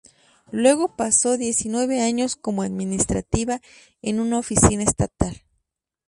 Luego pasó diecinueve años como administrativa en una oficina estatal.